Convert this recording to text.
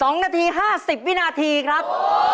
๒นาที๕๐วินาทีครับ